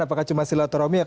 apakah cuma silotoromi